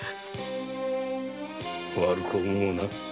悪く思うな。